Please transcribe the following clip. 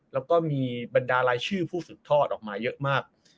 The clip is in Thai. แล้วก็มีบรรดารายชื่อผู้สืบทอดออกมาเยอะมาก